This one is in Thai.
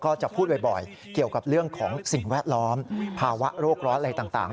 ก็จะพูดบ่อยเกี่ยวกับเรื่องของสิ่งแวดล้อมภาวะโรคร้อนอะไรต่าง